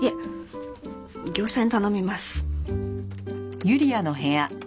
業者に頼みます。